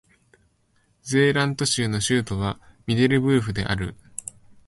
ゼーラント州の州都はミデルブルフである